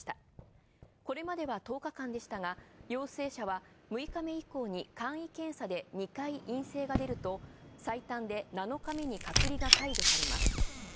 これまでは１０日間でしたが陽性者は６日目以降に２回陰性が確認されると最短で７日目に隔離を解除されます。